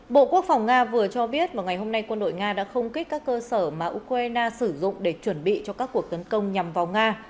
bộ quốc phòng nga vừa cho biết vào ngày hôm nay quân đội nga đã không kích các cơ sở mà ukraine sử dụng để chuẩn bị cho các cuộc tấn công nhằm vào nga